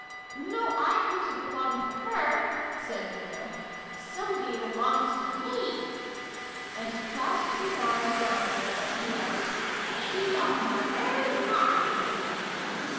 "No, I doosn't belong to her!" said Bruno. "Sylvie belongs to me!" And he clasped x] JABBERING AND JAM. 155 his arms round her as he added " She are my very mine